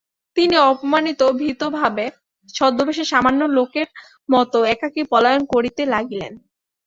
তিনি অপমানিত ও ভীত ভাবে ছদ্মবেশে সামান্য লোকের মতো একাকী পলায়ন করিতে লাগিলেন।